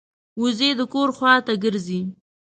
وزې د کور خوا ته ګرځي